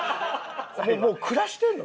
もう暮らしてんの？